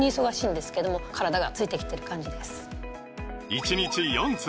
１日４粒！